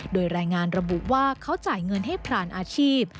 โดยรายงานระบุว่าเขาจ่ายเงินให้พรานอาชีพ